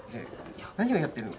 何をやってるの？